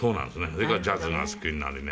それからジャズが好きになりね。